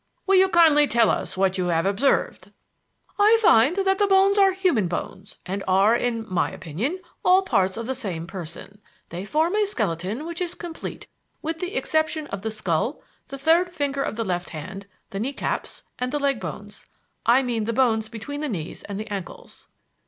"Will you kindly tell us what you have observed?" "I find that the bones are human bones, and are, in my opinion, all parts of the same person. They form a skeleton which is complete with the exception of the skull, the third finger of the left hand, the knee caps, and the leg bones I mean the bones between the knees and the ankles."